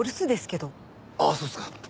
あっそうですか。